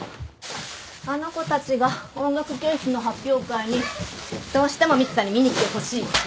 あの子たちが音楽教室の発表会にどうしてもみちさんに見に来てほしいって。